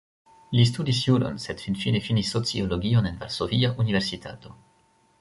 Li studis juron, sed finfine finis sociologion en Varsovia Universitato.